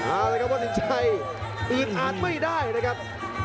อ้าวแล้วก็ว่าสินชัยอืดอาจไม่ได้นะครับ